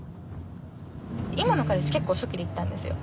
今の彼氏結構初期で言ったんですよ。